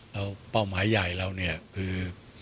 แล้วเป้าหมายใหญ่เราคือ